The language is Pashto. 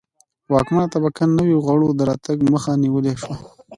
واکمنه طبقه نویو غړو د راتګ مخه نیولای شوه